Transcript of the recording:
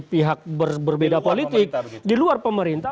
pihak berbeda politik di luar pemerintah